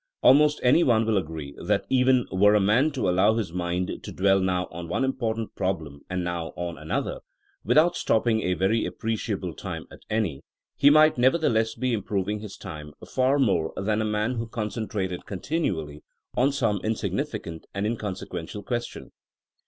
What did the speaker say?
Almost any one will agree that even were a man to allow his mind to dwell now on one important problem and now on another, without stopping a very appreciable time at any, he might nevertheless be improving his time far more than a man who concentrated continually 74 THINKINa AS A SCIENCE on some insignificant and inconsequential ques tion.